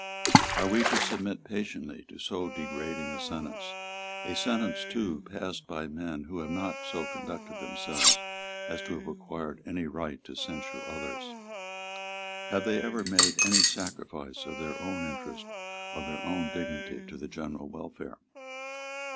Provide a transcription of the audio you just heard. Are we to submit patiently to so degrading a sentence, a sentence too passed by men who have not so conducted themselves as to have acquired any right to censure others? Have they ever made any sacrifice of their own interest, of their own dignity, to the general welfare?